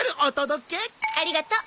ありがとう。